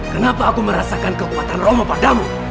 kenapa aku merasakan kekuatan romo padamu